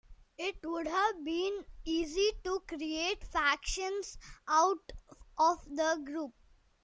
It would have been easy to create factions out of the group.